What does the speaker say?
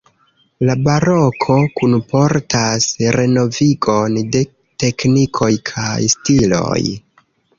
La baroko kunportas renovigon de teknikoj kaj stiloj.